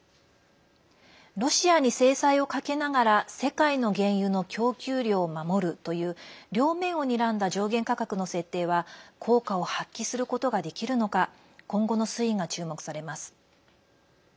ロシアに制裁をかけながら世界の原油の供給量を守るという両面をにらんだ上限価格の設定は効果を発揮することができるのか今後の推移が注目されます。